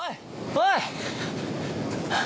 おい！